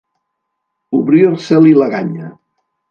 Obrir-se-li la ganya.